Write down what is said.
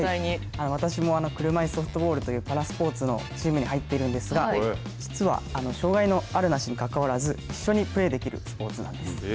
私も車いすソフトボールというパラスポーツのチームに入っているんですが実は障害のあるなしにかかわらず一緒にプレーできるスポーツです。